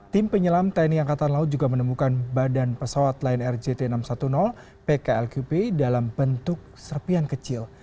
tim penyelam tni angkatan laut juga menemukan badan pesawat lion air jt enam ratus sepuluh pklqp dalam bentuk serpian kecil